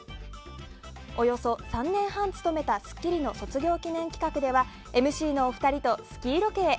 およそ３年半務めた「スッキリ」ではＭＣのお二人とスキーロケへ。